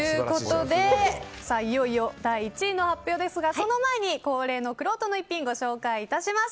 いよいよ第１位の発表ですがその前に恒例のくろうとの逸品ご紹介いたします。